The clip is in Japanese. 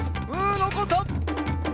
のこった！